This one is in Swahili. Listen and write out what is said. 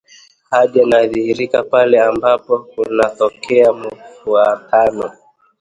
hadi yanadhihirika pale ambapo kunatokea mfuatano